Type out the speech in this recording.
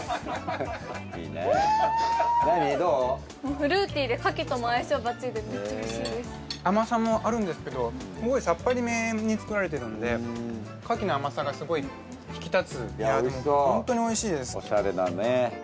フルーティーで柿とも相性ばっちりでめっちゃおいしいです甘さもあるんですけどすごいさっぱりめに作られてるんで柿の甘さがすごい引き立つホントにおいしいですおしゃれだね